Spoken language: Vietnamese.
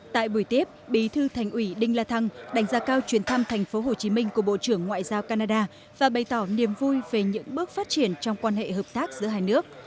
tại buổi tiếp bí thư thành ủy đinh la thăng đánh giá cao chuyến thăm tp hcm của bộ trưởng ngoại giao canada và bày tỏ niềm vui về những bước phát triển trong quan hệ hợp tác giữa hai nước